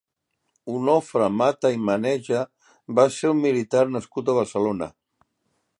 Onofre Mata i Maneja va ser un militar nascut a Barcelona.